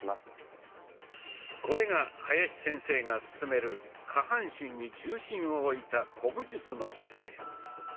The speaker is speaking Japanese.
これが林先生が勧める下半身に重心を置いた「古武術の姿勢」。